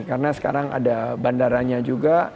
karena sekarang ada bandaranya juga